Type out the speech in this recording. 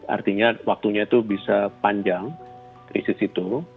artinya waktunya itu bisa panjang krisis itu